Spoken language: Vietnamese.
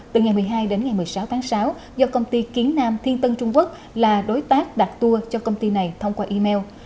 từ ngày một mươi hai đến ngày một mươi sáu tháng sáu do công ty kiến nam thiên tân trung quốc là đối tác đặt tour cho công ty này thông qua email